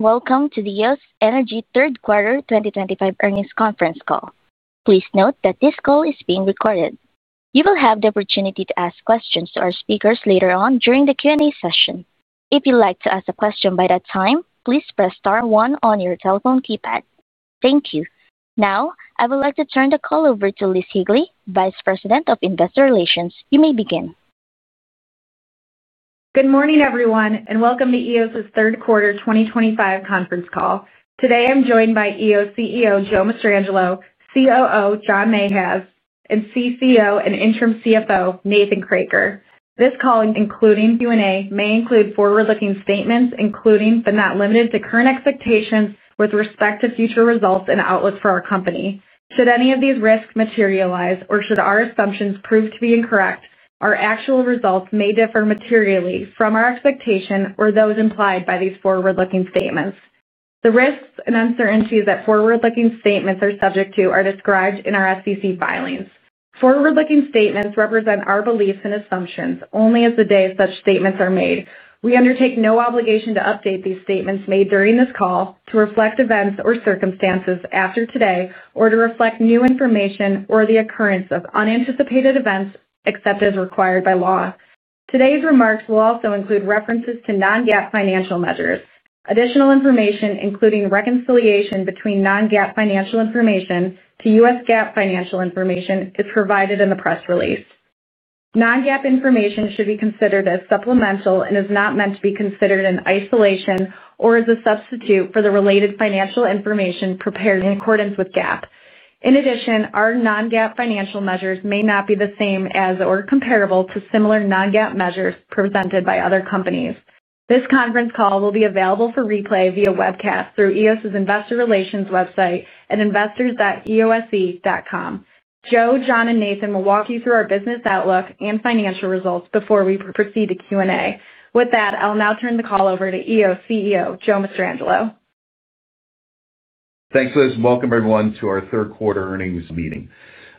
Welcome to the Eos Energy Third Quarter 2025 Earnings Conference Call. Please note that this call is being recorded. You will have the opportunity to ask questions to our speakers later on during the Q&A session. If you'd like to ask a question by that time, please press star one on your telephone keypad. Thank you. Now, I would like to turn the call over to Liz Higley, Vice President of Investor Relations. You may begin. Good morning, everyone, and welcome to Eos's third quarter 2025 conference call. Today, I'm joined by Eos CEO Joe Mastrangelo, COO John Mayhev, and CCO and interim CFO Nathan Kroeker. This call, including Q&A, may include forward-looking statements, including but not limited to current expectations with respect to future results and outlooks for our company. Should any of these risks materialize, or should our assumptions prove to be incorrect, our actual results may differ materially from our expectation or those implied by these forward-looking statements. The risks and uncertainties that forward-looking statements are subject to are described in our SEC filings. Forward-looking statements represent our beliefs and assumptions. Only as of the day such statements are made, we undertake no obligation to update these statements made during this call to reflect events or circumstances after today, or to reflect new information or the occurrence of unanticipated events except as required by law. Today's remarks will also include references to non-GAAP financial measures. Additional information, including reconciliation between non-GAAP financial information to U.S. GAAP financial information, is provided in the press release. Non-GAAP information should be considered as supplemental and is not meant to be considered in isolation or as a substitute for the related financial information prepared in accordance with GAAP. In addition, our non-GAAP financial measures may not be the same as or comparable to similar non-GAAP measures presented by other companies. This conference call will be available for replay via webcast through Eos's Investor Relations website at investors.eose.com. Joe, John, and Nathan will walk you through our business outlook and financial results before we proceed to Q&A. With that, I'll now turn the call over to Eos CEO Joe Mastrangelo. Thanks, Liz. Welcome, everyone, to our third quarter earnings meeting.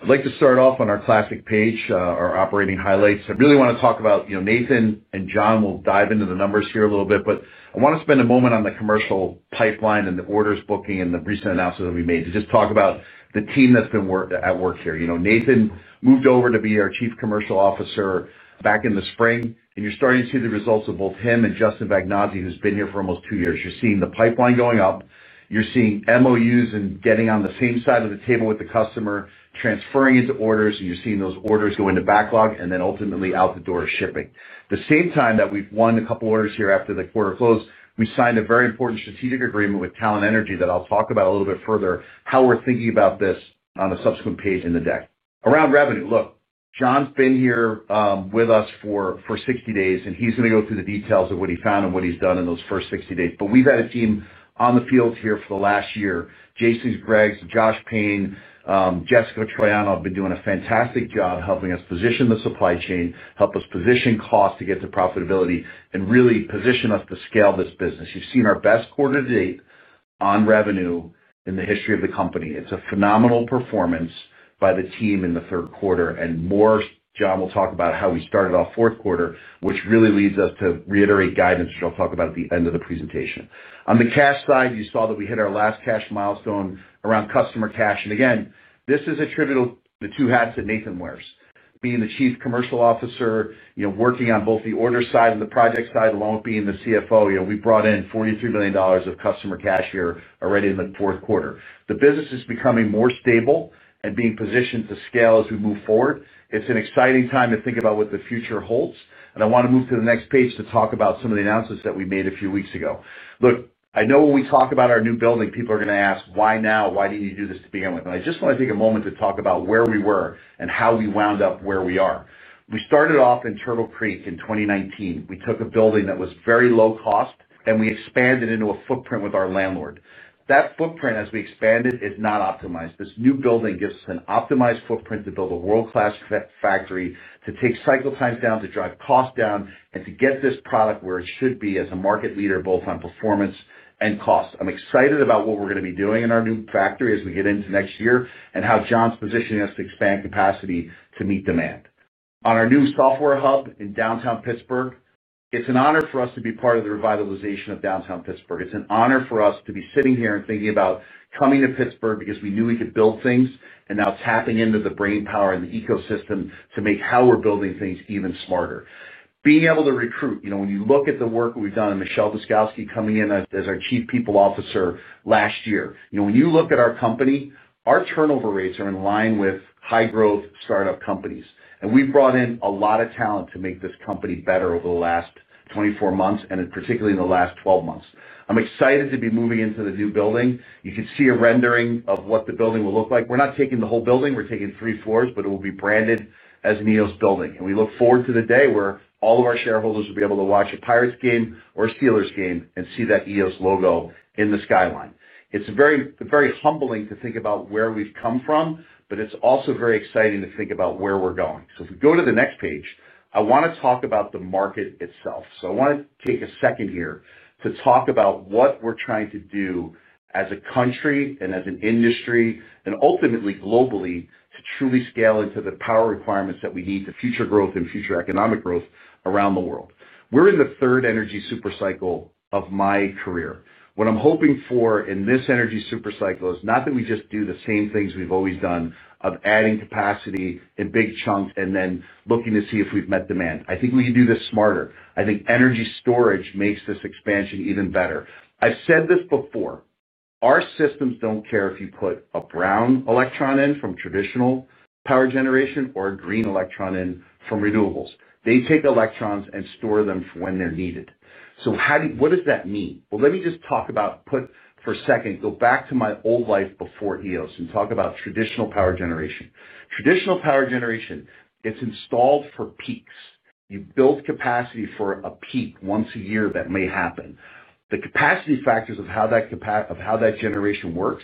I'd like to start off on our classic page, our operating highlights. I really want to talk about, you know, Nathan and John will dive into the numbers here a little bit, but I want to spend a moment on the commercial pipeline and the orders booking and the recent announcements that we made to just talk about the team that's been at work here. You know, Nathan moved over to be our Chief Commercial Officer back in the spring, and you're starting to see the results of both him and Justin Vagnozzi, who's been here for almost two years. You're seeing the pipeline going up. You're seeing MOUs and getting on the same side of the table with the customer, transferring into orders, and you're seeing those orders go into backlog and then ultimately out the door shipping. At the same time that we've won a couple of orders here after the quarter closed, we signed a very important strategic agreement with Talen Energy that I'll talk about a little bit further, how we're thinking about this on a subsequent page in the deck. Around revenue, look, John's been here with us for 60 days, and he's going to go through the details of what he found and what he's done in those first 60 days. We've had a team on the field here for the last year: Jason Gregs, Josh Payne, Jessica Troiano, have been doing a fantastic job helping us position the supply chain, help us position costs to get to profitability, and really position us to scale this business. You've seen our best quarter to date on revenue in the history of the company. It's a phenomenal performance by the team in the third quarter. John will talk about how we started off fourth quarter, which really leads us to reiterate guidance, which I'll talk about at the end of the presentation. On the cash side, you saw that we hit our last cash milestone around customer cash. Again, this is attributable to the two hats that Nathan wears, being the Chief Commercial Officer, you know, working on both the order side and the project side, along with being the CFO. You know, we brought in $43 million of customer cash here already in the fourth quarter. The business is becoming more stable and being positioned to scale as we move forward. It's an exciting time to think about what the future holds. I want to move to the next page to talk about some of the announcements that we made a few weeks ago. Look, I know when we talk about our new building, people are going to ask, "Why now? Why didn't you do this to begin with?" I just want to take a moment to talk about where we were and how we wound up where we are. We started off in Turtle Creek in 2019. We took a building that was very low cost, and we expanded into a footprint with our landlord. That footprint, as we expanded, is not optimized. This new building gives us an optimized footprint to build a world-class factory, to take cycle times down, to drive costs down, and to get this product where it should be as a market leader, both on performance and cost. I'm excited about what we're going to be doing in our new factory as we get into next year and how John's positioning us to expand capacity to meet demand. On our new software hub in downtown Pittsburgh, it's an honor for us to be part of the revitalization of downtown Pittsburgh. It's an honor for us to be sitting here and thinking about coming to Pittsburgh because we knew we could build things and now tapping into the brainpower and the ecosystem to make how we're building things even smarter. Being able to recruit, you know, when you look at the work we've done and Michelle Buczkowski coming in as our Chief People Officer last year, you know, when you look at our company, our turnover rates are in line with high-growth startup companies. We've brought in a lot of talent to make this company better over the last 24 months and particularly in the last 12 months. I'm excited to be moving into the new building. You can see a rendering of what the building will look like. We're not taking the whole building. We're taking three floors, but it will be branded as an Eos building. We look forward to the day where all of our shareholders will be able to watch a Pirates game or a Steelers game and see that Eos logo in the skyline. It's very, very humbling to think about where we've come from, but it's also very exciting to think about where we're going. If we go to the next page, I want to talk about the market itself. I want to take a second here to talk about what we're trying to do as a country and as an industry and ultimately globally to truly scale into the power requirements that we need to future growth and future economic growth around the world. We're in the third energy supercycle of my career. What I'm hoping for in this energy supercycle is not that we just do the same things we've always done of adding capacity in big chunks and then looking to see if we've met demand. I think we can do this smarter. I think energy storage makes this expansion even better. I've said this before. Our systems don't care if you put a brown electron in from traditional power generation or a green electron in from renewables. They take electrons and store them for when they're needed. How do you—what does that mean? Let me just talk about—put for a second, go back to my old life before Eos and talk about traditional power generation. Traditional power generation, it's installed for peaks. You build capacity for a peak once a year that may happen. The capacity factors of how that generation works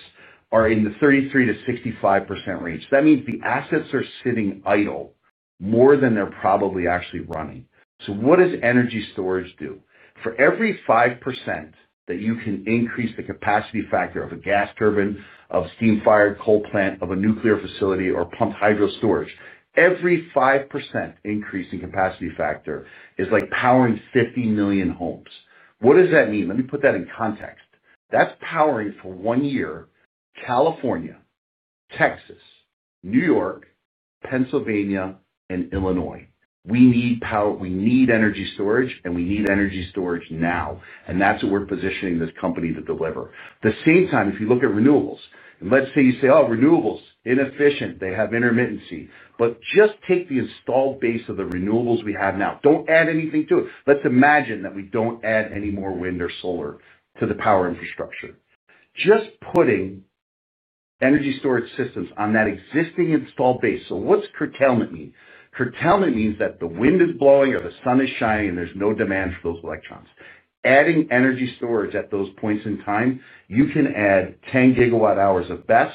are in the 33-65% range. That means the assets are sitting idle more than they're probably actually running. What does energy storage do? For every 5% that you can increase the capacity factor of a gas turbine, of a steam-fired coal plant, of a nuclear facility, or pumped hydro storage, every 5% increase in capacity factor is like powering 50 million homes. What does that mean? Let me put that in context. That's powering for one year. California, Texas, New York, Pennsylvania, and Illinois. We need power. We need energy storage, and we need energy storage now. That is what we are positioning this company to deliver. At the same time, if you look at renewables, and let's say you say, "Oh, renewables, inefficient. They have intermittencies." Just take the installed base of the renewables we have now. Do not add anything to it. Let's imagine that we do not add any more wind or solar to the power infrastructure. Just putting energy storage systems on that existing installed base. What does curtailment mean? Curtailment means that the wind is blowing or the sun is shining, and there is no demand for those electrons. Adding energy storage at those points in time, you can add 10 gigawatt hours of BESS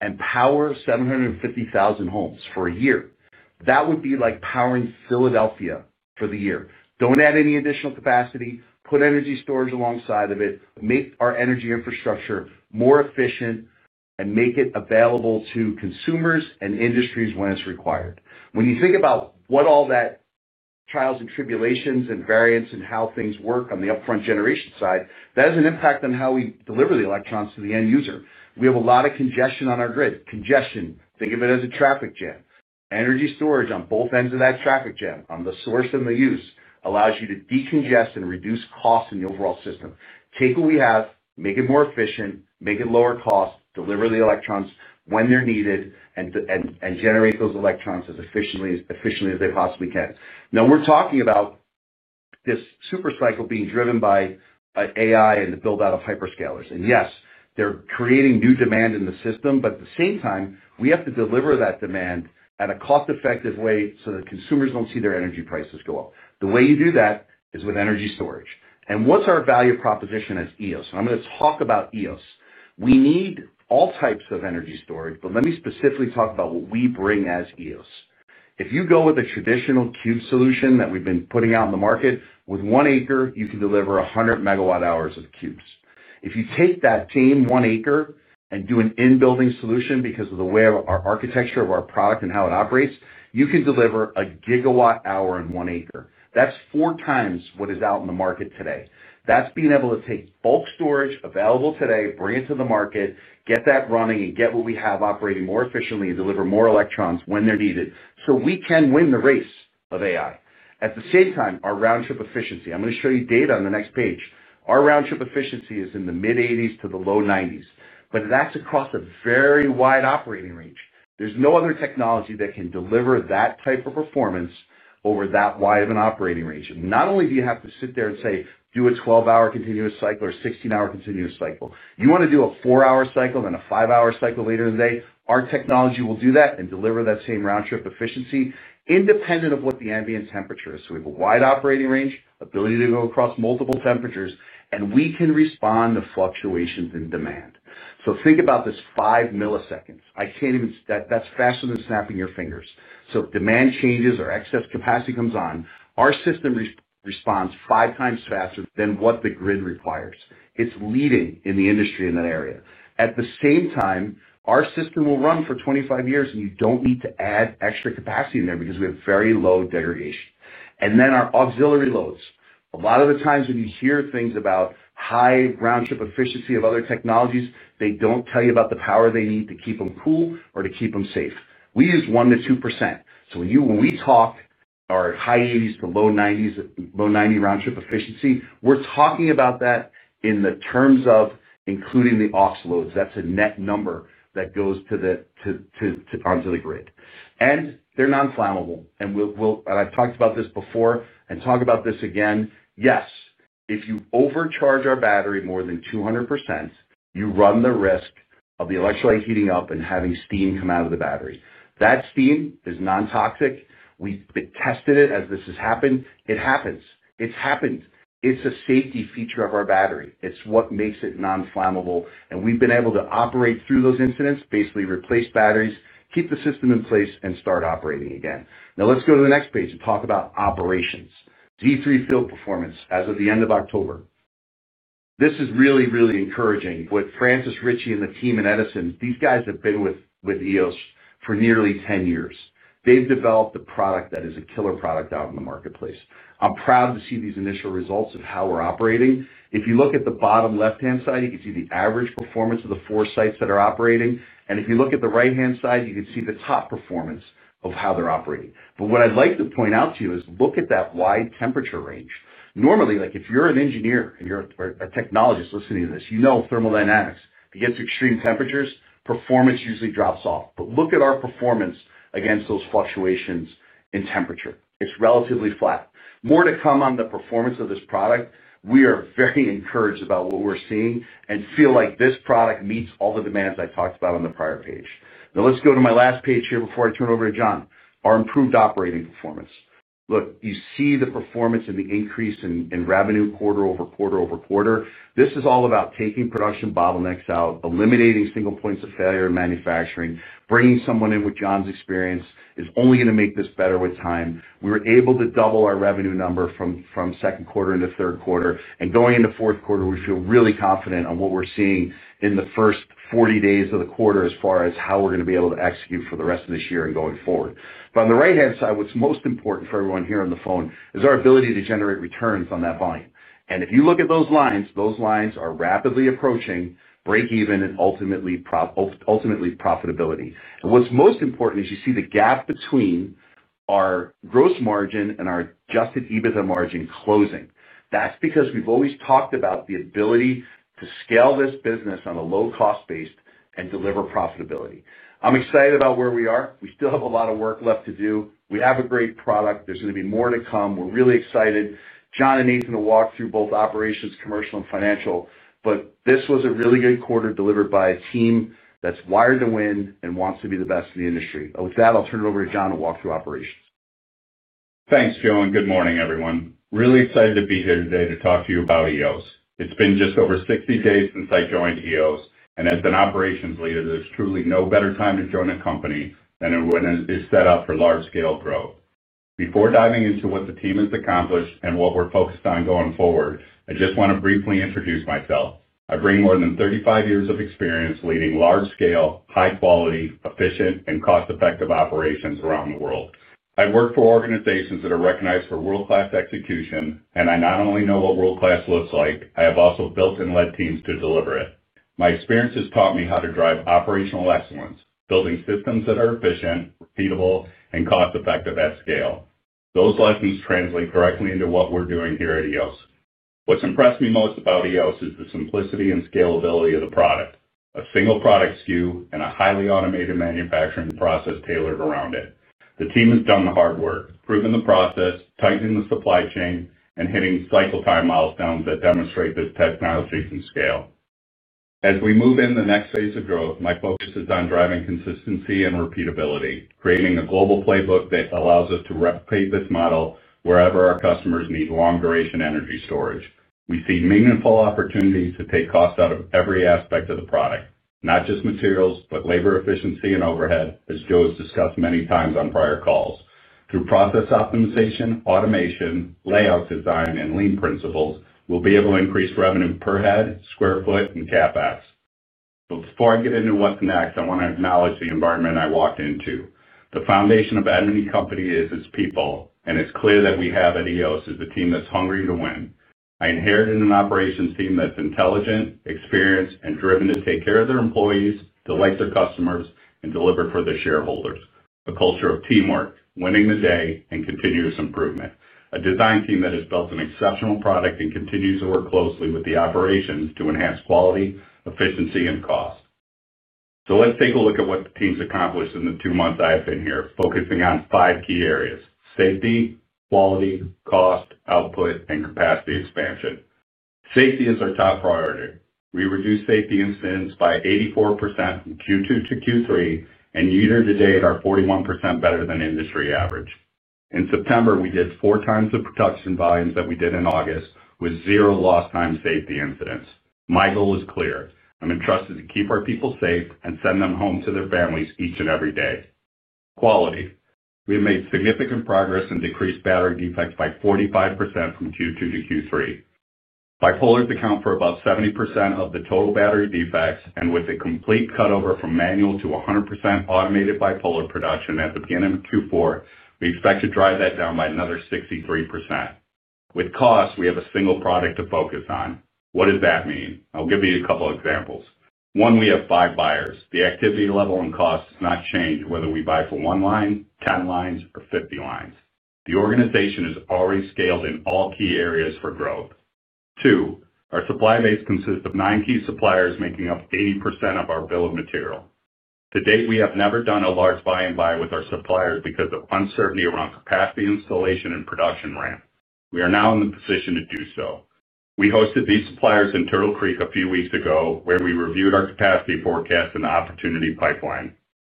and power 750,000 homes for a year. That would be like powering Philadelphia for the year. Do not add any additional capacity. Put energy storage alongside of it. Make our energy infrastructure more efficient and make it available to consumers and industries when it's required. When you think about what all that trials and tribulations and variants and how things work on the upfront generation side, that has an impact on how we deliver the electrons to the end user. We have a lot of congestion on our grid. Congestion, think of it as a traffic jam. Energy storage on both ends of that traffic jam, on the source and the use, allows you to decongest and reduce costs in the overall system. Take what we have, make it more efficient, make it lower cost, deliver the electrons when they're needed, and generate those electrons as efficiently as they possibly can. Now, we're talking about this supercycle being driven by AI and the build-out of hyperscalers. Yes, they're creating new demand in the system, but at the same time, we have to deliver that demand in a cost-effective way so that consumers do not see their energy prices go up. The way you do that is with energy storage. What's our value proposition as Eos? I'm going to talk about Eos. We need all types of energy storage, but let me specifically talk about what we bring as Eos. If you go with a traditional Cube solution that we've been putting out in the market, with one acre, you can deliver 100 megawatt hours of Cubes. If you take that same one acre and do an in-building solution because of the way our architecture of our product and how it operates, you can deliver a GW hour in one acre. That's 4x what is out in the market today. That's being able to take bulk storage available today, bring it to the market, get that running, and get what we have operating more efficiently and deliver more electrons when they're needed so we can win the race of AI. At the same time, our round-trip efficiency—I'm going to show you data on the next page—our round-trip efficiency is in the mid-80% to the low 90%, but that's across a very wide operating range. There's no other technology that can deliver that type of performance over that wide of an operating range. Not only do you have to sit there and say, "Do a 12-hour continuous cycle or a 16-hour continuous cycle," you want to do a 4-hour cycle and a 5-hour cycle later in the day. Our technology will do that and deliver that same round-trip efficiency independent of what the ambient temperature is. We have a wide operating range, ability to go across multiple temperatures, and we can respond to fluctuations in demand. Think about this: five milliseconds. I can't even—that's faster than snapping your fingers. If demand changes or excess capacity comes on, our system responds five times faster than what the grid requires. It's leading in the industry in that area. At the same time, our system will run for 25 years, and you don't need to add extra capacity in there because we have very low degradation. Then our auxiliary loads. A lot of the times when you hear things about high round-trip efficiency of other technologies, they don't tell you about the power they need to keep them cool or to keep them safe. We use 1-2%. When we talk our high 80s to low 90s, low 90 round-trip efficiency, we're talking about that in the terms of including the aux loads. That's a net number that goes to the—to onto the grid. They're non-flammable. I've talked about this before and talk about this again—yes, if you overcharge a battery more than 200%, you run the risk of the electrolyte heating up and having steam come out of the battery. That steam is non-toxic. We tested it as this has happened. It happens. It's happened. It's a safety feature of our battery. It's what makes it non-flammable. We've been able to operate through those incidents, basically replace batteries, keep the system in place, and start operating again. Now, let's go to the next page and talk about operations. D3 Field Performance as of the end of October. This is really, really encouraging. Francis Richie and the team in Edison, these guys have been with Eos for nearly 10 years. They've developed a product that is a killer product out in the marketplace. I'm proud to see these initial results of how we're operating. If you look at the bottom left-hand side, you can see the average performance of the four sites that are operating. If you look at the right-hand side, you can see the top performance of how they're operating. What I'd like to point out to you is look at that wide temperature range. Normally, like if you're an engineer and you're a technologist listening to this, you know thermodynamics. It gets extreme temperatures. Performance usually drops off. Look at our performance against those fluctuations in temperature. It's relatively flat. More to come on the performance of this product. We are very encouraged about what we're seeing and feel like this product meets all the demands I talked about on the prior page. Now, let's go to my last page here before I turn it over to John. Our improved operating performance. Look, you see the performance and the increase in revenue quarter over quarter over quarter. This is all about taking production bottlenecks out, eliminating single points of failure in manufacturing, bringing someone in with John's experience. It's only going to make this better with time. We were able to double our revenue number from second quarter into third quarter. Going into fourth quarter, we feel really confident on what we're seeing in the first 40 days of the quarter as far as how we're going to be able to execute for the rest of this year and going forward. On the right-hand side, what's most important for everyone here on the phone is our ability to generate returns on that volume. If you look at those lines, those lines are rapidly approaching break-even and ultimately profitability. What's most important is you see the gap between our gross margin and our adjusted EBITDA margin closing. That's because we've always talked about the ability to scale this business on a low-cost base and deliver profitability. I'm excited about where we are. We still have a lot of work left to do. We have a great product. There's going to be more to come. We're really excited. John and Nathan will walk through both operations, commercial, and financial. This was a really good quarter delivered by a team that's wired to win and wants to be the best in the industry. With that, I'll turn it over to John to walk through operations. Thanks, Joe. Good morning, everyone. Really excited to be here today to talk to you about Eos. It's been just over 60 days since I joined Eos. As an operations leader, there's truly no better time to join a company than when it is set up for large-scale growth. Before diving into what the team has accomplished and what we're focused on going forward, I just want to briefly introduce myself. I bring more than 35 years of experience leading large-scale, high-quality, efficient, and cost-effective operations around the world. I've worked for organizations that are recognized for world-class execution, and I not only know what world-class looks like, I have also built and led teams to deliver it. My experience has taught me how to drive operational excellence, building systems that are efficient, repeatable, and cost-effective at scale. Those lessons translate directly into what we're doing here at Eos. What's impressed me most about Eos is the simplicity and scalability of the product: a single product SKU and a highly automated manufacturing process tailored around it. The team has done the hard work, proving the process, tightening the supply chain, and hitting cycle time milestones that demonstrate this technology can scale. As we move into the next phase of growth, my focus is on driving consistency and repeatability, creating a global playbook that allows us to replicate this model wherever our customers need long-duration energy storage. We see meaningful opportunities to take cost out of every aspect of the product, not just materials, but labor efficiency and overhead, as Joe has discussed many times on prior calls. Through process optimization, automation, layout design, and lean principles, we'll be able to increase revenue per head, sq ft, and CapEx. Before I get into what's next, I want to acknowledge the environment I walked into. The foundation of any company is its people, and it's clear that what we have at Eos is a team that's hungry to win. I inherited an operations team that's intelligent, experienced, and driven to take care of their employees, delight their customers, and deliver for their shareholders: a culture of teamwork, winning the day, and continuous improvement; a design team that has built an exceptional product and continues to work closely with the operations to enhance quality, efficiency, and cost. Let's take a look at what the team's accomplished in the two months I have been here, focusing on five key areas: safety, quality, cost, output, and capacity expansion. Safety is our top priority. We reduced safety incidents by 84% from Q2-Q3, and year to date, are 41% better than industry average. In September, we did four times the production volumes that we did in August with zero lost-time safety incidents. My goal is clear. I'm entrusted to keep our people safe and send them home to their families each and every day. Quality. We have made significant progress and decreased battery defects by 45% from Q2-Q3. Bipolars account for about 70% of the total battery defects, and with a complete cutover from manual to 100% automated bipolar production at the beginning of Q4, we expect to drive that down by another 63%. With cost, we have a single product to focus on. What does that mean? I'll give you a couple of examples. One, we have five buyers. The activity level and costs have not changed whether we buy for one line, 10 lines, or 50 lines. The organization is already scaled in all key areas for growth. Two, our supply base consists of nine key suppliers making up 80% of our bill of material. To date, we have never done a large buy-and-buy with our suppliers because of uncertainty around capacity installation and production ramp. We are now in the position to do so. We hosted these suppliers in Turtle Creek a few weeks ago where we reviewed our capacity forecast and opportunity pipeline.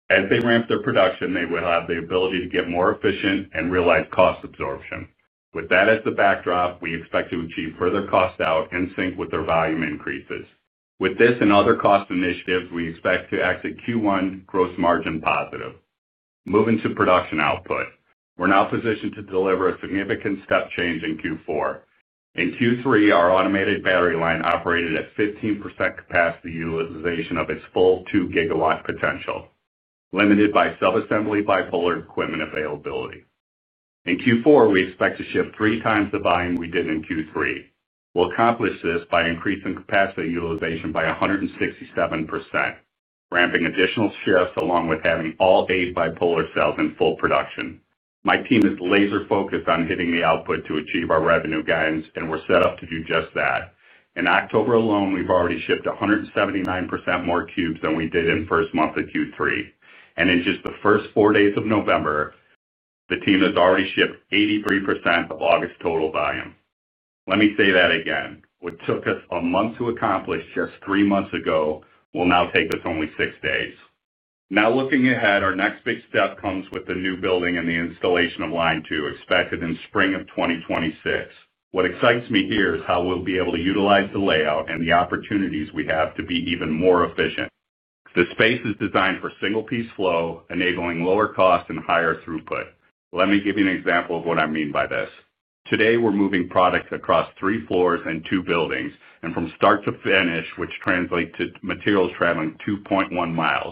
As they ramp their production, they will have the ability to get more efficient and realize cost absorption. With that as the backdrop, we expect to achieve further cost out in sync with their volume increases. With this and other cost initiatives, we expect to exit Q1 gross margin positive. Moving to production output, we're now positioned to deliver a significant step change in Q4. In Q3, our automated battery line operated at 15% capacity utilization of its full 2 GW potential, limited by subassembly bipolar equipment availability. In Q4, we expect to shift three times the volume we did in Q3. We'll accomplish this by increasing capacity utilization by 167%, ramping additional shifts along with having all eight bipolar cells in full production. My team is laser-focused on hitting the output to achieve our revenue guidance, and we're set up to do just that. In October alone, we've already shipped 179% more Cubes than we did in the first month of Q3. In just the first four days of November, the team has already shipped 83% of August total volume. Let me say that again. What took us a month to accomplish just three months ago will now take us only six days. Now, looking ahead, our next big step comes with the new building and the installation of line two expected in spring of 2026. What excites me here is how we'll be able to utilize the layout and the opportunities we have to be even more efficient. The space is designed for single-piece flow, enabling lower costs and higher throughput. Let me give you an example of what I mean by this. Today, we're moving products across three floors and two buildings, and from start to finish, which translates to materials traveling 2.1 mi.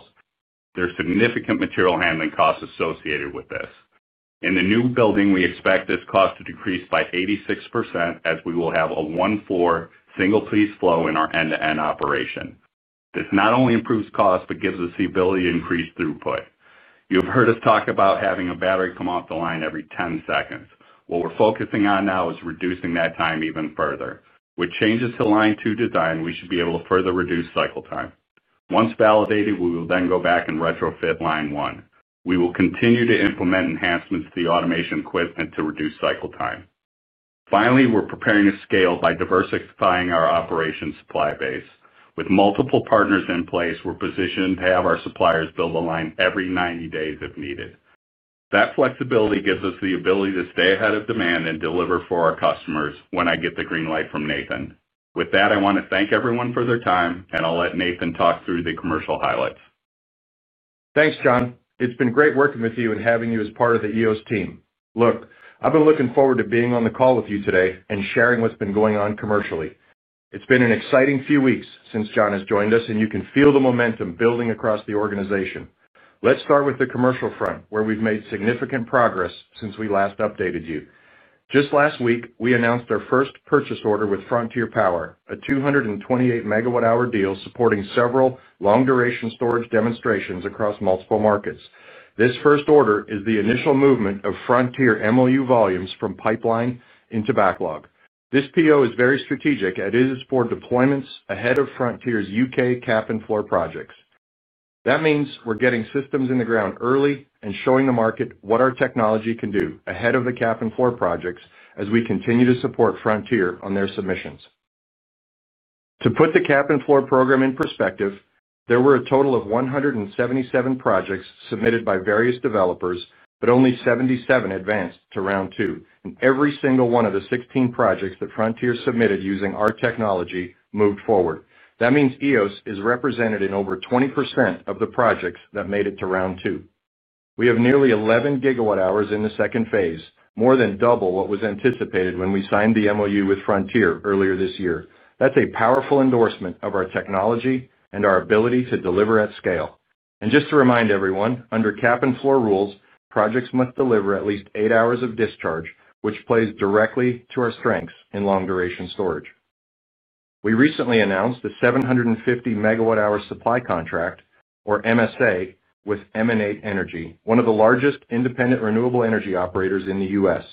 There's significant material handling costs associated with this. In the new building, we expect this cost to decrease by 86% as we will have a one-floor single-piece flow in our end-to-end operation. This not only improves costs but gives us the ability to increase throughput. You've heard us talk about having a battery come off the line every 10 seconds. What we're focusing on now is reducing that time even further. With changes to line two design, we should be able to further reduce cycle time. Once validated, we will then go back and retrofit line one. We will continue to implement enhancements to the automation equipment to reduce cycle time. Finally, we're preparing to scale by diversifying our operations supply base. With multiple partners in place, we're positioned to have our suppliers build a line every 90 days if needed. That flexibility gives us the ability to stay ahead of demand and deliver for our customers when I get the green light from Nathan. With that, I want to thank everyone for their time, and I'll let Nathan talk through the commercial highlights. Thanks, John. It's been great working with you and having you as part of the Eos team. Look, I've been looking forward to being on the call with you today and sharing what's been going on commercially. It's been an exciting few weeks since John has joined us, and you can feel the momentum building across the organization. Let's start with the commercial front, where we've made significant progress since we last updated you. Just last week, we announced our first purchase order with Frontier Power, a 228 MWh deal supporting several long-duration storage demonstrations across multiple markets. This first order is the initial movement of Frontier MOU volumes from pipeline into backlog. This PO is very strategic as it is for deployments ahead of Frontier's U.K. cap and floor projects. That means we're getting systems in the ground early and showing the market what our technology can do ahead of the cap and floor projects as we continue to support Frontier on their submissions. To put the cap and floor program in perspective, there were a total of 177 projects submitted by various developers, but only 77 advanced to round two. Every single one of the 16 projects that Frontier submitted using our technology moved forward. That means Eos is represented in over 20% of the projects that made it to round two. We have nearly 11 gigawatt-hours in the second phase, more than double what was anticipated when we signed the MOU with Frontier earlier this year. That's a powerful endorsement of our technology and our ability to deliver at scale. Just to remind everyone, under cap and floor rules, projects must deliver at least eight hours of discharge, which plays directly to our strengths in long-duration storage. We recently announced the 750 megawatt-hour supply contract, or MSA, with MN8 Energy, one of the largest independent renewable energy operators in the US.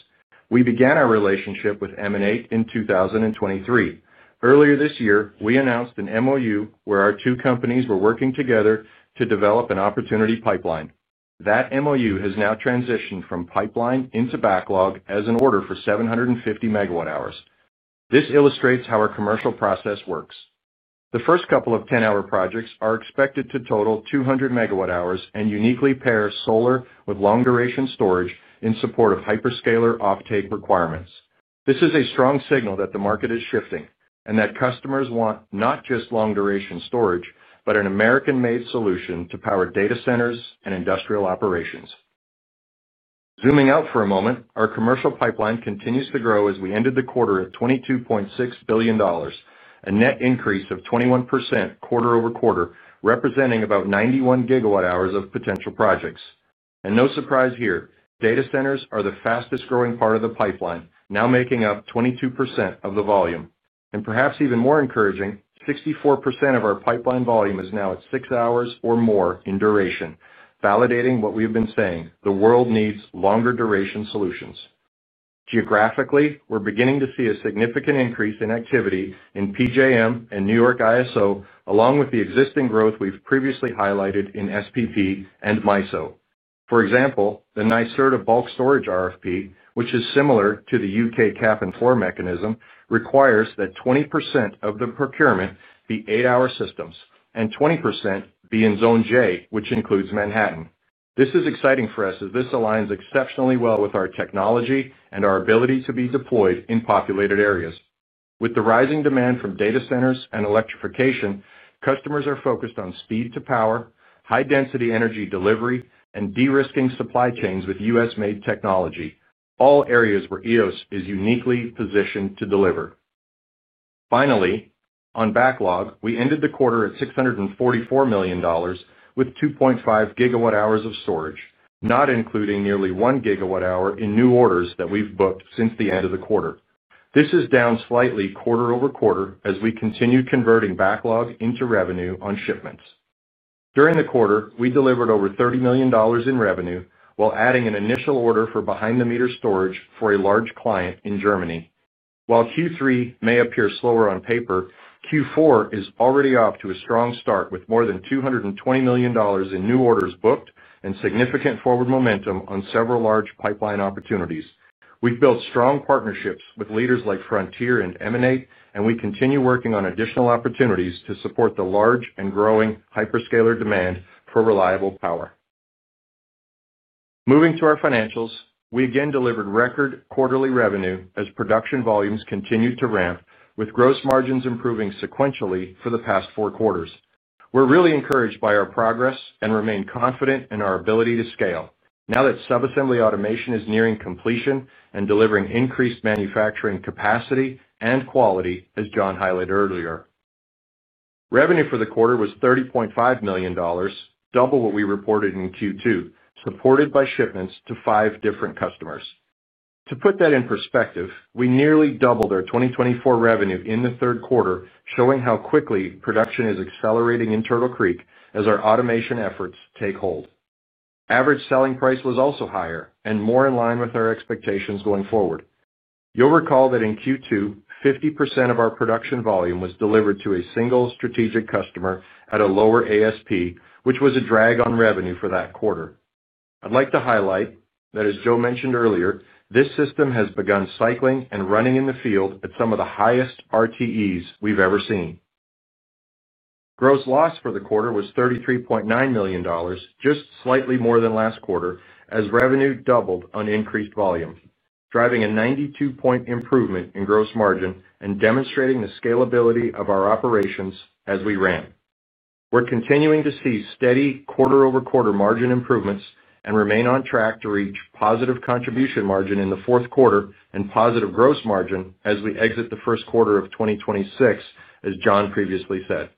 We began our relationship with MN8 in 2023. Earlier this year, we announced an MOU where our two companies were working together to develop an opportunity pipeline. That MOU has now transitioned from pipeline into backlog as an order for 750 MWh. This illustrates how our commercial process works. The first couple of 10-hour projects are expected to total 200 MWh and uniquely pair solar with long-duration storage in support of hyperscale offtake requirements. This is a strong signal that the market is shifting and that customers want not just long-duration storage, but an American-made solution to power data centers and industrial operations. Zooming out for a moment, our commercial pipeline continues to grow as we ended the quarter at $22.6 billion, a net increase of 21% quarter-over-quarter, representing about 91 GWh of potential projects. No surprise here, data centers are the fastest-growing part of the pipeline, now making up 22% of the volume. Perhaps even more encouraging, 64% of our pipeline volume is now at six hours or more in duration, validating what we've been saying: the world needs longer-duration solutions. Geographically, we're beginning to see a significant increase in activity in PJM and New York ISO, along with the existing growth we've previously highlighted in SPP and MISO. For example, the NYSERDA bulk storage RFP, which is similar to the U.K. Cap and Floor mechanism, requires that 20% of the procurement be eight-hour systems and 20% be in Zone J, which includes Manhattan. This is exciting for us as this aligns exceptionally well with our technology and our ability to be deployed in populated areas. With the rising demand from data centers and electrification, customers are focused on speed to power, high-density energy delivery, and de-risking supply chains with U.S. made technology, all areas where Eos is uniquely positioned to deliver. Finally, on backlog, we ended the quarter at $644 million with 2.5 GWh of storage, not including nearly 1 GWh in new orders that we've booked since the end of the quarter. This is down slightly quarter over quarter as we continue converting backlog into revenue on shipments. During the quarter, we delivered over $30 million in revenue while adding an initial order for behind-the-meter storage for a large client in Germany. While Q3 may appear slower on paper, Q4 is already off to a strong start with more than $220 million in new orders booked and significant forward momentum on several large pipeline opportunities. We've built strong partnerships with leaders like Frontier and MN8, and we continue working on additional opportunities to support the large and growing hyperscale demand for reliable power. Moving to our financials, we again delivered record quarterly revenue as production volumes continued to ramp, with gross margins improving sequentially for the past four quarters. We're really encouraged by our progress and remain confident in our ability to scale, now that subassembly automation is nearing completion and delivering increased manufacturing capacity and quality, as John highlighted earlier. Revenue for the quarter was $30.5 million, double what we reported in Q2, supported by shipments to five different customers. To put that in perspective, we nearly doubled our 2024 revenue in the third quarter, showing how quickly production is accelerating in Turtle Creek as our automation efforts take hold. Average selling price was also higher and more in line with our expectations going forward. You'll recall that in Q2, 50% of our production volume was delivered to a single strategic customer at a lower ASP, which was a drag on revenue for that quarter. I'd like to highlight that, as Joe mentioned earlier, this system has begun cycling and running in the field at some of the highest RTEs we've ever seen. Gross loss for the quarter was $33.9 million, just slightly more than last quarter, as revenue doubled on increased volume, driving a 92 point improvement in gross margin and demonstrating the scalability of our operations as we ran. We're continuing to see steady quarter-over-quarter margin improvements and remain on track to reach positive contribution margin in the fourth quarter and positive gross margin as we exit the first quarter of 2026, as John previously said.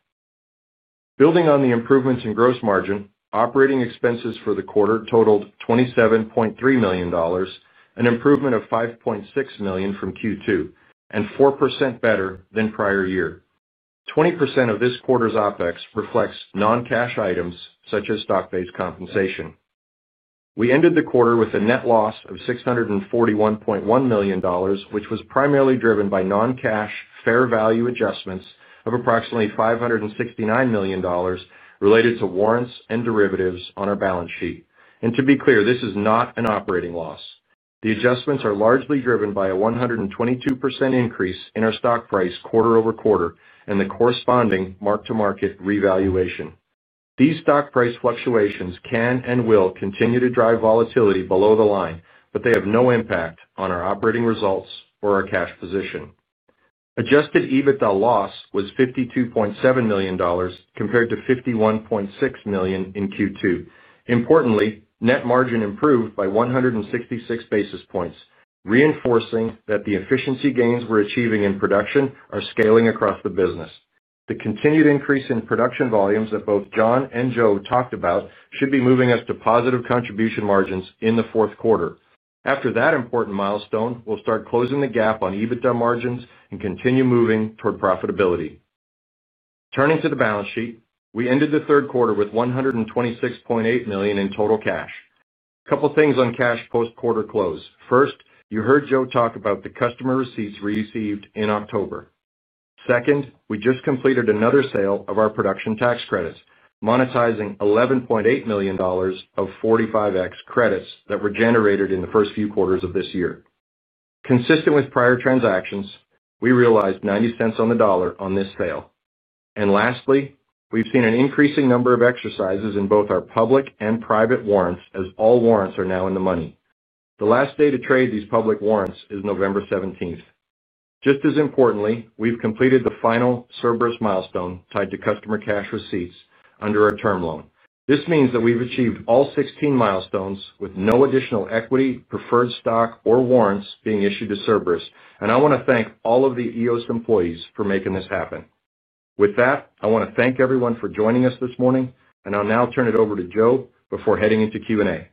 Building on the improvements in gross margin, operating expenses for the quarter totaled $27.3 million, an improvement of $5.6 million from Q2, and 4% better than prior year. 20% of this quarter's OpEx reflects non-cash items such as stock-based compensation. We ended the quarter with a net loss of $641.1 million, which was primarily driven by non-cash fair value adjustments of approximately $569 million related to warrants and derivatives on our balance sheet. To be clear, this is not an operating loss. The adjustments are largely driven by a 122% increase in our stock price quarter over quarter and the corresponding mark-to-market revaluation. These stock price fluctuations can and will continue to drive volatility below the line, but they have no impact on our operating results or our cash position. Adjusted EBITDA loss was $52.7 million compared to $51.6 million in Q2. Importantly, net margin improved by 166 basis points, reinforcing that the efficiency gains we're achieving in production are scaling across the business. The continued increase in production volumes that both John and Joe talked about should be moving us to positive contribution margins in the fourth quarter. After that important milestone, we'll start closing the gap on EBITDA margins and continue moving toward profitability. Turning to the balance sheet, we ended the third quarter with $126.8 million in total cash. A couple of things on cash post-quarter close. First, you heard Joe talk about the customer receipts we received in October. Second, we just completed another sale of our production tax credits, monetizing $11.8 million of 45x credits that were generated in the first few quarters of this year. Consistent with prior transactions, we realized $0.90 on the dollar on this sale. Lastly, we've seen an increasing number of exercises in both our public and private warrants as all warrants are now in the money. The last day to trade these public warrants is November 17. Just as importantly, we've completed the final Cerberus milestone tied to customer cash receipts under our term loan. This means that we've achieved all 16 milestones with no additional equity, preferred stock, or warrants being issued to Cerberus. I want to thank all of the Eos employees for making this happen. With that, I want to thank everyone for joining us this morning, and I'll now turn it over to Joe before heading into Q&A.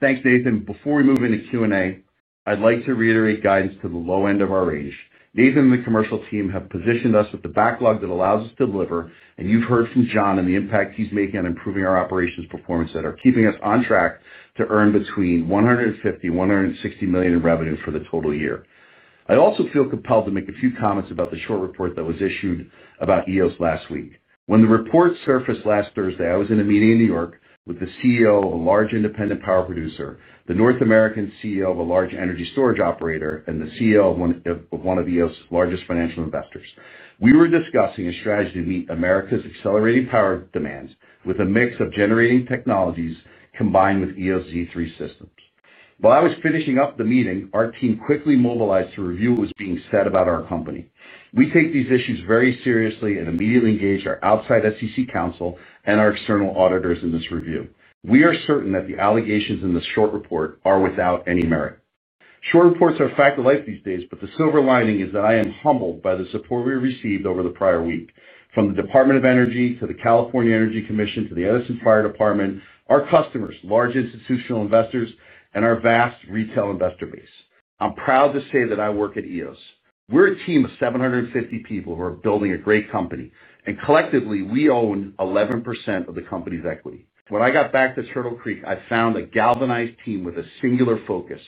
Thanks, Nathan. Before we move into Q&A, I'd like to reiterate guidance to the low end of our range. Nathan and the commercial team have positioned us with the backlog that allows us to deliver. You've heard from John and the impact he's making on improving our operations performance that are keeping us on track to earn between $150 million and $160 million in revenue for the total year. I also feel compelled to make a few comments about the short report that was issued about Eos last week. When the report surfaced last Thursday, I was in a meeting in New York with the CEO of a large independent power producer, the North American CEO of a large energy storage operator, and the CEO of one of Eos's largest financial investors. We were discussing a strategy to meet America's accelerating power demands with a mix of generating technologies combined with Eos Z3 systems. While I was finishing up the meeting, our team quickly mobilized to review what was being said about our company. We take these issues very seriously and immediately engaged our outside SEC counsel and our external auditors in this review. We are certain that the allegations in this short report are without any merit. Short reports are a fact of life these days, but the silver lining is that I am humbled by the support we received over the prior week, from the Department of Energy to the California Energy Commission to the Edison Fire Department, our customers, large institutional investors, and our vast retail investor base. I'm proud to say that I work at Eos. We're a team of 750 people who are building a great company, and collectively, we own 11% of the company's equity. When I got back to Turtle Creek, I found a galvanized team with a singular focus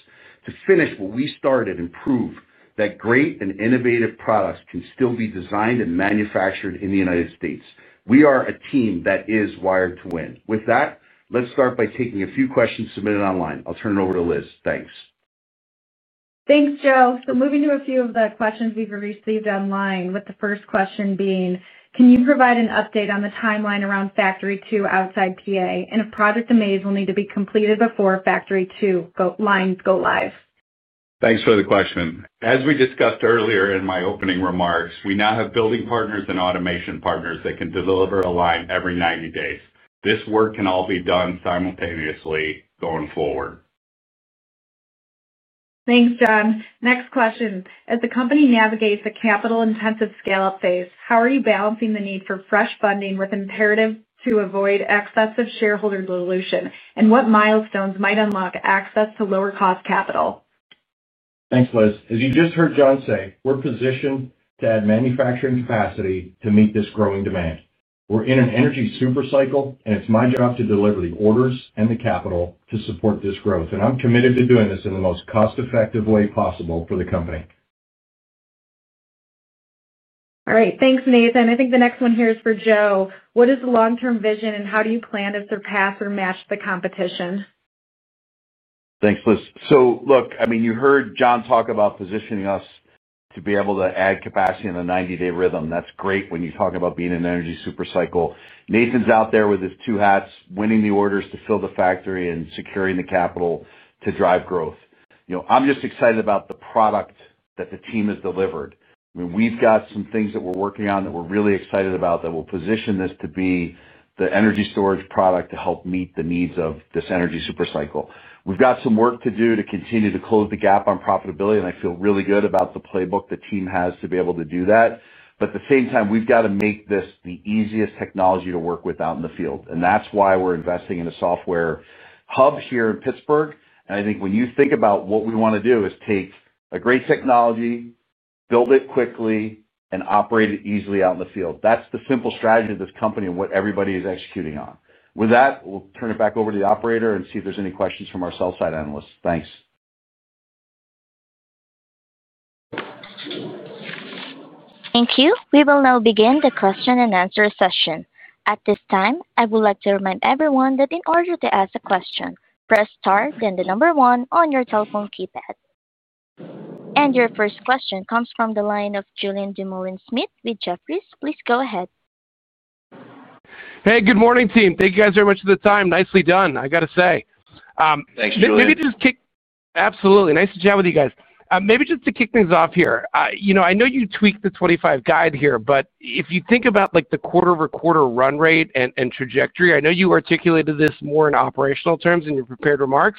to finish what we started and prove that great and innovative products can still be designed and manufactured in the United States. We are a team that is wired to win. With that, let's start by taking a few questions submitted online. I'll turn it over to Liz. Thanks. Thanks, Joe. Moving to a few of the questions we've received online, with the first question being, can you provide an update on the timeline around Factory 2 outside PA and if Project Amaze will need to be completed before Factory 2 lines go live? Thanks for the question. As we discussed earlier in my opening remarks, we now have building partners and automation partners that can deliver a line every 90 days. This work can all be done simultaneously going forward. Thanks, John. Next question. As the company navigates the capital-intensive scale-up phase, how are you balancing the need for fresh funding with imperatives to avoid excessive shareholder dilution, and what milestones might unlock access to lower-cost capital? Thanks, Liz. As you just heard John say, we're positioned to add manufacturing capacity to meet this growing demand. We're in an energy supercycle, and it's my job to deliver the orders and the capital to support this growth. I'm committed to doing this in the most cost-effective way possible for the company. All right. Thanks, Nathan. I think the next one here is for Joe. What is the long-term vision, and how do you plan to surpass or match the competition? Thanks, Liz. Look, I mean, you heard John talk about positioning us to be able to add capacity in a 90-day rhythm. That's great when you're talking about being in an energy supercycle. Nathan's out there with his two hats, winning the orders to fill the factory and securing the capital to drive growth. I'm just excited about the product that the team has delivered. I mean, we've got some things that we're working on that we're really excited about that will position this to be the energy storage product to help meet the needs of this energy supercycle. We've got some work to do to continue to close the gap on profitability, and I feel really good about the playbook the team has to be able to do that. At the same time, we've got to make this the easiest technology to work with out in the field. That's why we're investing in a software hub here in Pittsburgh. I think when you think about what we want to do is take a great technology, build it quickly, and operate it easily out in the field. That's the simple strategy of this company and what everybody is executing on. With that, we'll turn it back over to the operator and see if there's any questions from our sell-side analysts. Thanks. Thank you. We will now begin the question-and-answer session. At this time, I would like to remind everyone that in order to ask a question, press star, then the number one on your telephone keypad. Your first question comes from the line of Julian Dumoulin-Smith with Jefferies. Please go ahead. Hey, good morning, team. Thank you guys very much for the time. Nicely done, I got to say. Thanks, Joe. Maybe just kick—absolutely. Nice to chat with you guys. Maybe just to kick things off here, I know you tweaked the 2025 guide here, but if you think about the quarter-over-quarter run rate and trajectory, I know you articulated this more in operational terms in your prepared remarks,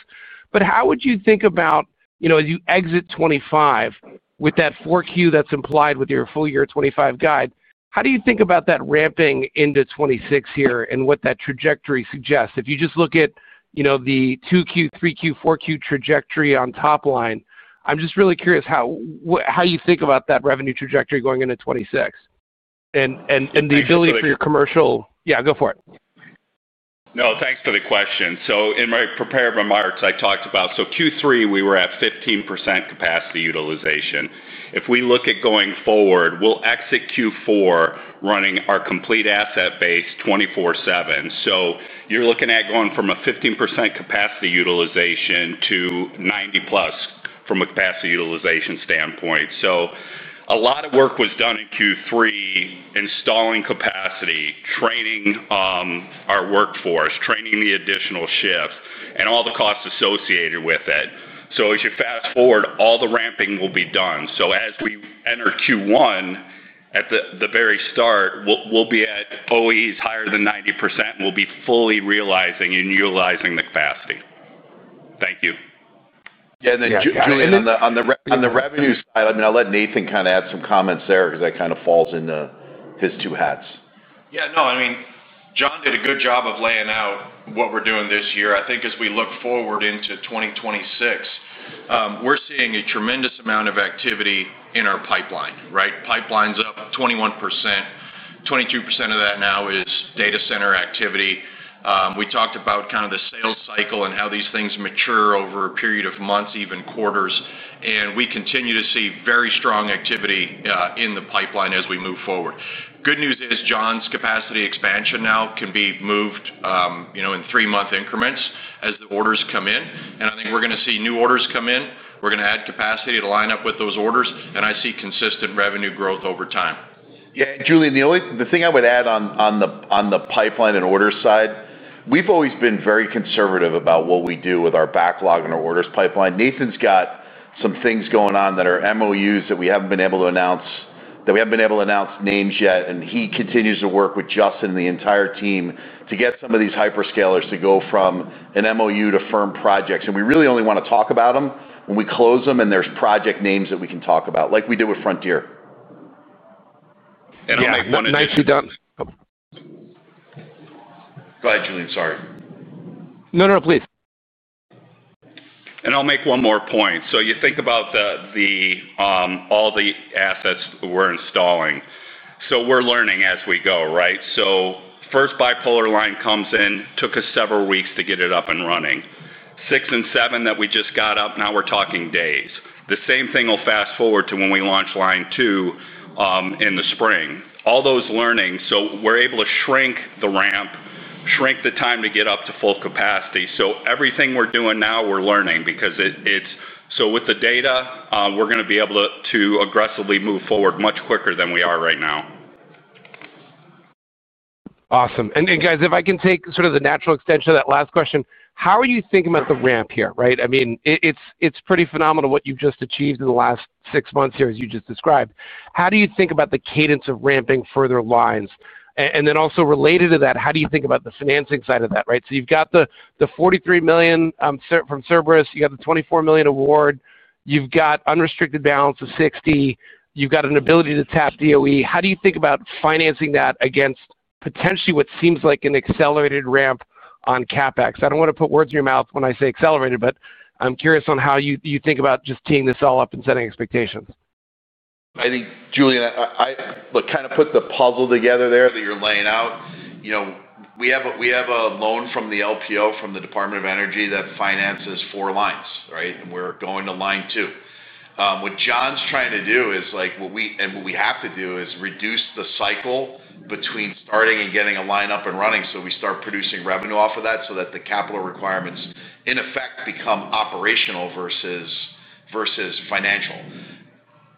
but how would you think about, as you exit 2025, with that Q4 that's implied with your full-year 2025 guide, how do you think about that ramping into 2026 here and what that trajectory suggests? If you just look at the 2Q, 3Q, 4Q trajectory on top line, I'm just really curious how you think about that revenue trajectory going into 2026. And the ability for your commercial—yeah, go for it. No, thanks for the question. In my prepared remarks, I talked about—so Q3, we were at 15% capacity utilization. If we look at going forward, we'll exit Q4 running our complete asset base 24/7. You're looking at going from a 15% capacity utilization to 90-plus from a capacity utilization standpoint. A lot of work was done in Q3, installing capacity, training our workforce, training the additional shifts, and all the costs associated with it. As you fast forward, all the ramping will be done. As we enter Q1 at the very start, we'll be at OEs higher than 90%, and we'll be fully realizing and utilizing the capacity. Thank you. Yeah, and then, Julian, on the revenue side, I mean, I'll let Nathan kind of add some comments there because that kind of falls into his two hats. Yeah, no, I mean, John did a good job of laying out what we're doing this year. I think as we look forward into 2026, we're seeing a tremendous amount of activity in our pipeline, right? Pipeline's up 21%. 22% of that now is data center activity. We talked about kind of the sales cycle and how these things mature over a period of months, even quarters. We continue to see very strong activity in the pipeline as we move forward. Good news is John's capacity expansion now can be moved in three-month increments as the orders come in. I think we're going to see new orders come in. We're going to add capacity to line up with those orders. I see consistent revenue growth over time. Yeah, and Julian, the thing I would add on the pipeline and order side, we've always been very conservative about what we do with our backlog and our orders pipeline. Nathan's got some things going on that are MOUs that we haven't been able to announce, that we haven't been able to announce names yet. He continues to work with Justin and the entire team to get some of these hyperscalers to go from an MOU to firm projects. We really only want to talk about them when we close them and there are project names that we can talk about, like we did with Frontier. I will make one additional—Nice, you are done. Go ahead, Julian. Sorry. No, no, no, please. I will make one more point. You think about all the assets we are installing. We are learning as we go, right? First bipolar line comes in, took us several weeks to get it up and running. Six and seven that we just got up, now we are talking days. The same thing will fast forward to when we launch line two in the spring. All those learnings, so we're able to shrink the ramp, shrink the time to get up to full capacity. Everything we're doing now, we're learning because it's—so with the data, we're going to be able to aggressively move forward much quicker than we are right now. Awesome. And guys, if I can take sort of the natural extension of that last question, how are you thinking about the ramp here, right? I mean, it's pretty phenomenal what you've just achieved in the last six months here, as you just described. How do you think about the cadence of ramping further lines? And then also related to that, how do you think about the financing side of that, right? So you've got the $43 million from Cerberus, you got the $24 million award. You've got unrestricted balance of $60 million. You've got an ability to tap DOE. How do you think about financing that against potentially what seems like an accelerated ramp on CapEx? I do not want to put words in your mouth when I say accelerated, but I am curious on how you think about just teeing this all up and setting expectations. I think, Julian, I—look, kind of put the puzzle together there that you are laying out. We have a loan from the LPO, from the Department of Energy, that finances four lines, right? We are going to line two. What John's trying to do is, and what we have to do is reduce the cycle between starting and getting a line up and running so we start producing revenue off of that so that the capital requirements, in effect, become operational versus financial.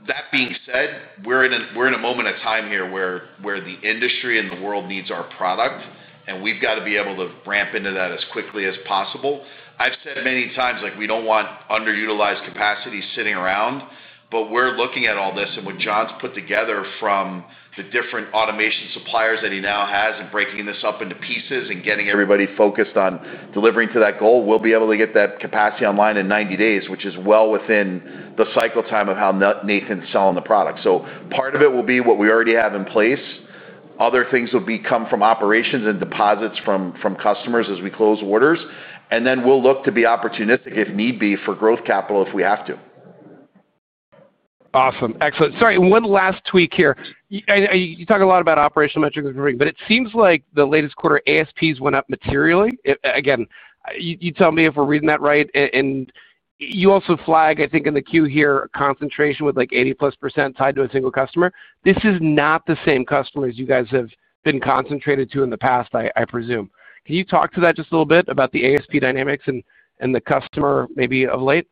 That being said, we're in a moment of time here where the industry and the world needs our product, and we've got to be able to ramp into that as quickly as possible. I've said many times, we don't want underutilized capacity sitting around, but we're looking at all this, and what John's put together from the different automation suppliers that he now has and breaking this up into pieces and getting everybody focused on delivering to that goal, we'll be able to get that capacity online in 90 days, which is well within the cycle time of how Nathan's selling the product. Part of it will be what we already have in place. Other things will come from operations and deposits from customers as we close orders. Then we'll look to be opportunistic, if need be, for growth capital if we have to. Awesome. Excellent. Sorry, one last tweak here. You talk a lot about operational metrics and everything, but it seems like the latest quarter ASPs went up materially. Again, you tell me if we're reading that right. And you also flag, I think, in the queue here, a concentration with 80+% tied to a single customer. This is not the same customer as you guys have been concentrated to in the past, I presume. Can you talk to that just a little bit about the ASP dynamics and the customer maybe of late?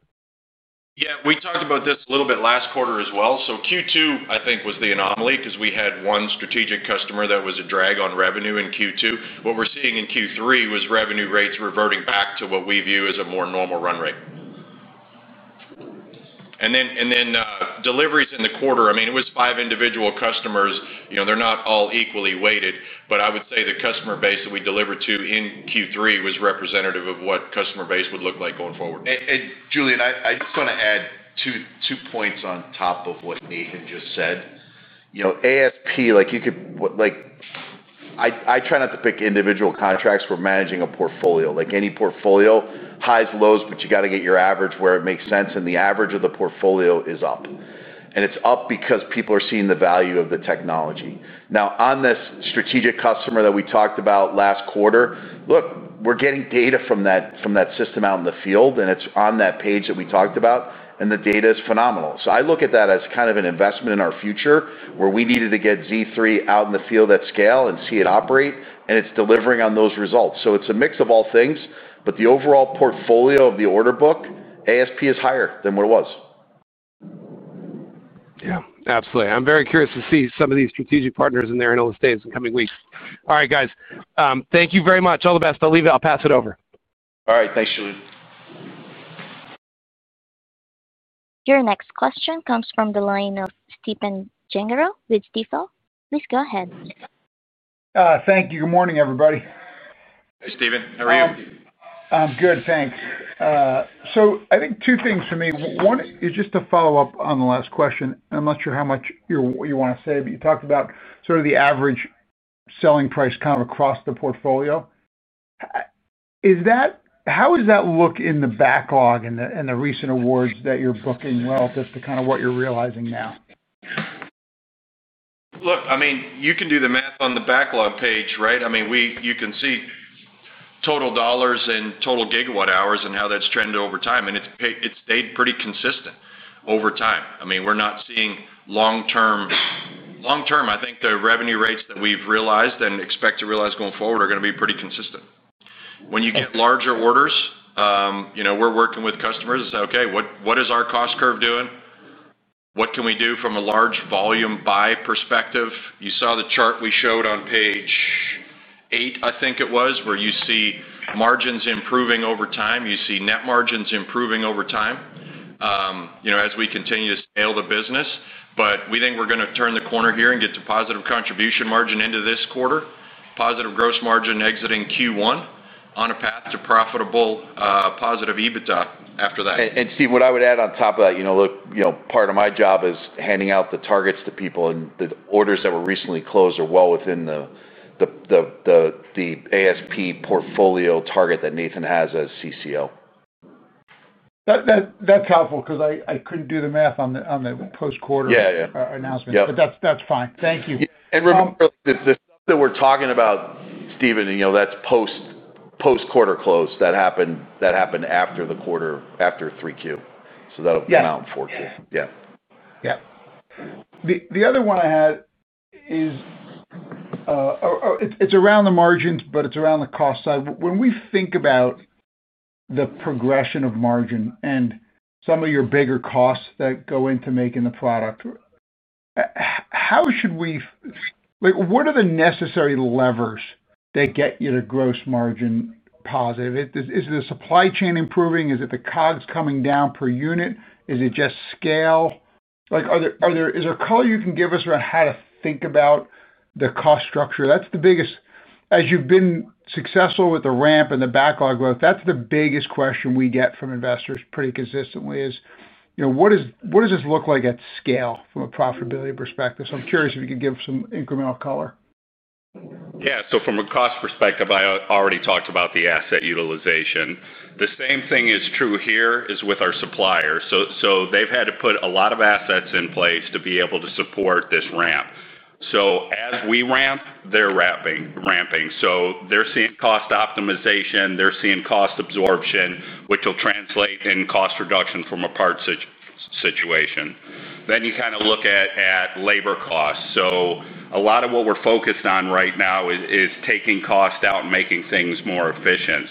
Yeah, we talked about this a little bit last quarter as well. Q2, I think, was the anomaly because we had one strategic customer that was a drag on revenue in Q2. What we're seeing in Q3 was revenue rates reverting back to what we view as a more normal run rate. Deliveries in the quarter, I mean, it was five individual customers. They're not all equally weighted, but I would say the customer base that we delivered to in Q3 was representative of what customer base would look like going forward. Julian, I just want to add two points on top of what Nathan just said. ASP, you could—I try not to pick individual contracts. We're managing a portfolio. Any portfolio, highs, lows, but you got to get your average where it makes sense, and the average of the portfolio is up. It's up because people are seeing the value of the technology. Now, on this strategic customer that we talked about last quarter, look, we're getting data from that system out in the field, and it's on that page that we talked about, and the data is phenomenal. I look at that as kind of an investment in our future where we needed to get Z3 out in the field at scale and see it operate, and it's delivering on those results. It's a mix of all things, but the overall portfolio of the order book, ASP is higher than what it was. Yeah, absolutely. I'm very curious to see some of these strategic partners in there in all the states in the coming weeks. All right, guys. Thank you very much. All the best. I'll leave it. I'll pass it over. All right. Thanks, Julian. Your next question comes from the line of Stephen Gengaro with Stifel. Please go ahead. Thank you. Good morning, everybody. Hey, Stephen. How are you? I'm good, thanks. I think two things for me. One is just to follow up on the last question. I'm not sure how much you want to say, but you talked about sort of the average selling price kind of across the portfolio. How does that look in the backlog and the recent awards that you're booking relative to kind of what you're realizing now? Look, I mean, you can do the math on the backlog page, right? I mean, you can see. Total dollars and total gigawatt hours and how that's trended over time. And it's stayed pretty consistent over time. I mean, we're not seeing long-term—long-term, I think the revenue rates that we've realized and expect to realize going forward are going to be pretty consistent. When you get larger orders. We're working with customers and say, "Okay, what is our cost curve doing? What can we do from a large volume buy perspective?" You saw the chart we showed on page. Eight, I think it was, where you see margins improving over time. You see net margins improving over time as we continue to scale the business. We think we're going to turn the corner here and get to positive contribution margin into this quarter, positive gross margin exiting Q1 on a path to profitable positive EBITDA after that. Steve, what I would add on top of that, look, part of my job is handing out the targets to people, and the orders that were recently closed are well within the ASP portfolio target that Nathan has as CCO. That's helpful because I couldn't do the math on the post-quarter announcement, but that's fine. Thank you. Remember the stuff that we're talking about, Steven, that's post-quarter close. That happened after the quarter, after 3Q. That will come out in 4Q. Yeah. The other one I had is. It's around the margins, but it's around the cost side. When we think about the progression of margin and some of your bigger costs that go into making the product, how should we— What are the necessary levers that get you to gross margin positive? Is the supply chain improving? Is it the COGS coming down per unit? Is it just scale? Is there a color you can give us around how to think about the cost structure? That's the biggest—as you've been successful with the ramp and the backlog growth, that's the biggest question we get from investors pretty consistently is, what does this look like at scale from a profitability perspective? I'm curious if you could give some incremental color. Yeah. From a cost perspective, I already talked about the asset utilization. The same thing is true here is with our suppliers. They've had to put a lot of assets in place to be able to support this ramp. As we ramp, they're ramping. They're seeing cost optimization. They're seeing cost absorption, which will translate in cost reduction from a parts situation. You kind of look at labor costs. A lot of what we're focused on right now is taking cost out and making things more efficient.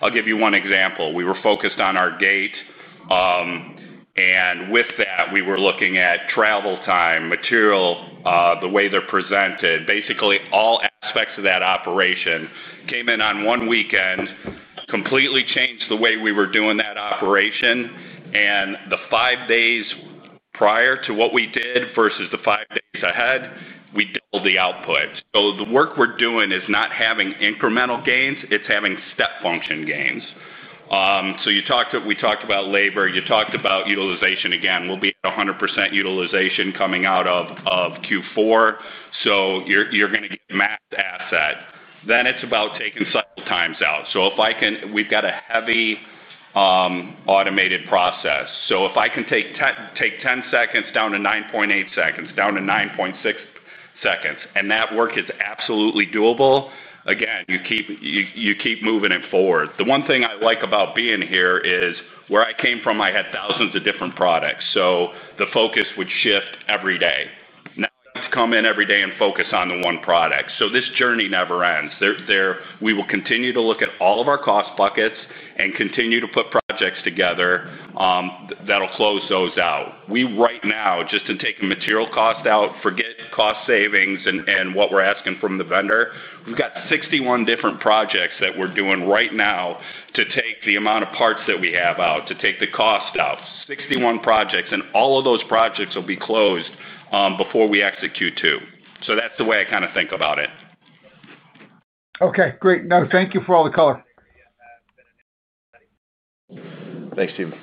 I'll give you one example. We were focused on our gate. With that, we were looking at travel time, material, the way they're presented. Basically, all aspects of that operation came in on one weekend, completely changed the way we were doing that operation. The five days prior to what we did versus the five days ahead, we doubled the output. The work we're doing is not having incremental gains. It's having step function gains. We talked about labor. You talked about utilization. Again, we'll be at 100% utilization coming out of Q4. You're going to get mass asset. Then it's about taking cycle times out. If I can—we've got a heavy automated process. If I can take 10 seconds down to 9.8 seconds, down to 9.6 seconds, and that work is absolutely doable, you keep moving it forward. The one thing I like about being here is where I came from, I had thousands of different products. The focus would shift every day. Now I have to come in every day and focus on the one product. This journey never ends. We will continue to look at all of our cost buckets and continue to put projects together. That'll close those out. We right now, just to take the material cost out, forget cost savings and what we're asking from the vendor. We have 61 different projects that we're doing right now to take the amount of parts that we have out, to take the cost out, 61 projects. All of those projects will be closed before we execute two. That is the way I kind of think about it. Okay. Great. No, thank you for all the color. Thanks, Stephen.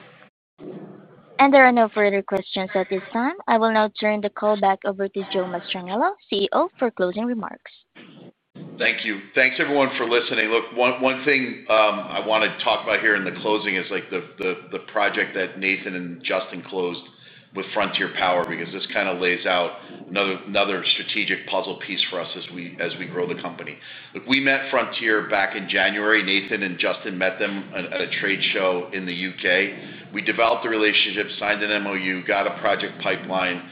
There are no further questions at this time. I will now turn the call back over to Joe Mastrangelo, CEO, for closing remarks. Thank you. Thanks, everyone, for listening. Look, one thing I want to talk about here in the closing is the project that Nathan and Justin closed with Frontier Power because this kind of lays out another strategic puzzle piece for us as we grow the company. Look, we met Frontier back in January. Nathan and Justin met them at a trade show in the U.K. We developed a relationship, signed an MOU, got a project pipeline.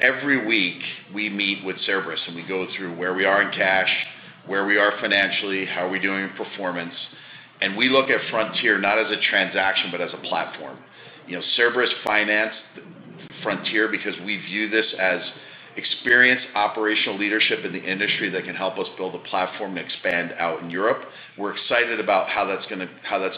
Every week, we meet with Cerberus, and we go through where we are in cash, where we are financially, how we are doing in performance. We look at Frontier not as a transaction, but as a platform. Cerberus financed Frontier because we view this as experienced operational leadership in the industry that can help us build a platform and expand out in Europe. We are excited about how that is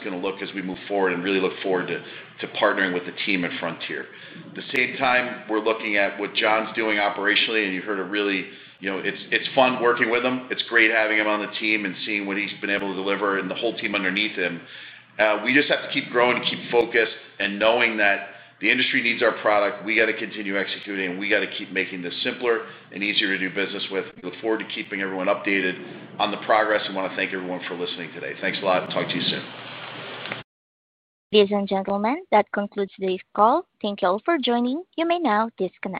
going to look as we move forward and really look forward to partnering with the team at Frontier. At the same time, we are looking at what John is doing operationally, and you heard a really—it is fun working with him. It's great having him on the team and seeing what he's been able to deliver and the whole team underneath him. We just have to keep growing and keep focused and knowing that the industry needs our product. We got to continue executing, and we got to keep making this simpler and easier to do business with. We look forward to keeping everyone updated on the progress and want to thank everyone for listening today. Thanks a lot. Talk to you soon. Ladies and gentlemen, that concludes today's call. Thank you all for joining. You may now disconnect.